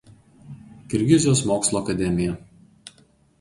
Kirgizijos mokslų akademija.